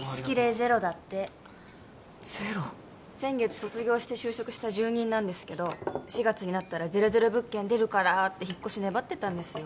ゼロだってゼロ先月卒業して就職した住人なんですけど「４月になったらゼロゼロ物件出るから」って引っ越し粘ってたんですよ